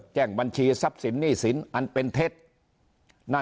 แจ้งบัญชีทรัพย์สินหนี้สินอันเป็นเท็จ